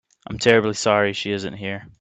I'm terribly sorry she isn't here.